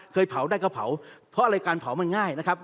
เคยเผาได้ก็เผาเพราะอะไรการเผามันง่ายนะครับ